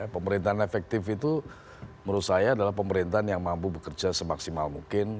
pemerintahan efektif itu menurut saya adalah pemerintahan yang mampu bekerja semaksimal mungkin